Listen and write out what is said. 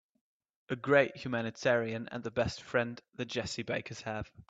A great humanitarian and the best friend the Jessie Bakers have.